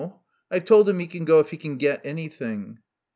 I've told him he can go if he can get anything."